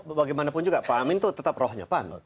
bagaimanapun juga pak amin itu tetap rohnya pan